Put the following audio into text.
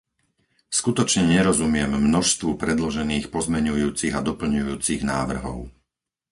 Skutočne nerozumiem množstvu predložených pozmeňujúcich a doplňujúcich návrhov.